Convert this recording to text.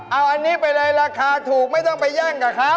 เอาอันนี้ไปเลยราคาถูกไม่ต้องไปแย่งกับเขา